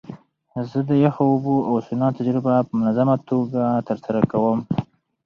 زه د یخو اوبو او سونا تجربه په منظمه توګه ترسره کوم.